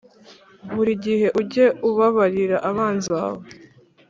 buri gihe ujye ubabarira abanzi bawe.